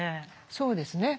そうですね。